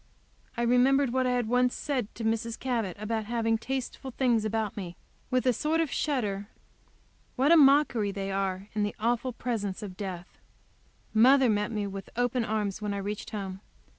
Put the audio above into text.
I remembered what I had once said to Mrs. Cabot about having tasteful things about me, with a sort of shudder. What a mockery they are in the awful presence of death! Mother met me with open arms when I reached home.